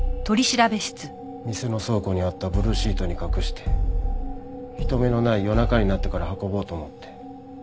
店の倉庫にあったブルーシートに隠して人目のない夜中になってから運ぼうと思って。